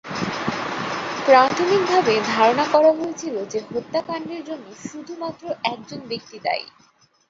প্রাথমিকভাবে ধারণা করা হয়েছিল যে হত্যাকাণ্ডের জন্য শুধুমাত্র একজন ব্যক্তি দায়ী।